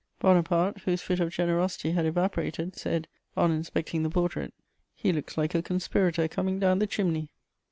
Bonaparte, whose fit of generosity had evaporated, said, on inspecting the portrait: "He looks like a conspirator coming down the chimney."